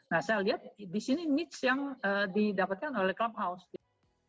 nah saya lihat di sini mix yang didapatkan oleh clubhouse gitu